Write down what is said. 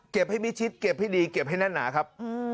ให้มิดชิดเก็บให้ดีเก็บให้แน่นหนาครับ